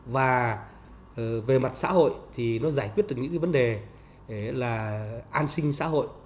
và về mặt xã hội thì nó giải quyết được những cái vấn đề là an sinh xã hội